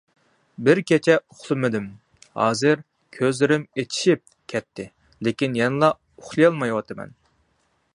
بىر كېچە ئۇخلىمىدىم، ھازىر كۆزلىرىم ئېچىشىپ كەتتى، لېكىن يەنىلا ئۇخلىيالمايۋاتىمەن.